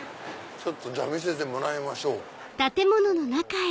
じゃあ見せてもらいましょう。